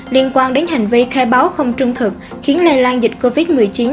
liên quan đến hành vi khai báo không trung thực khiến lây lan dịch covid một mươi chín